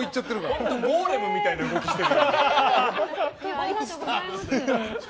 本当にゴーレムみたいな動きしてる。